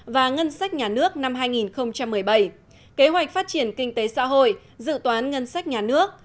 và ngân sách nhà nước năm hai nghìn một mươi bảy kế hoạch phát triển kinh tế xã hội dự toán ngân sách nhà nước